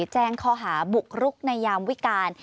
แจ้งข้อหาบุกรุกในยามวิการ